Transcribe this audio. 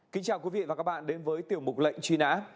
kính chào quý vị và các bạn đến với tiểu mục lệnh truy nã